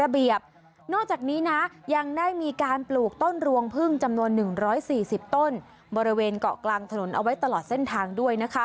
สี่สิบต้นบริเวณเกาะกลางถนนเอาไว้ตลอดเส้นทางด้วยนะคะ